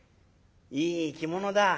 いい着物だ。